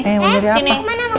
eh pokoknya mana